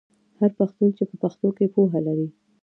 هر پښتون چې په پښتو کې پوهه لري.